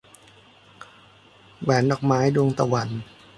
แหวนดอกไม้ - ดวงตะวัน